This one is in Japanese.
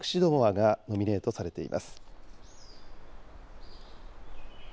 がノミネートされています。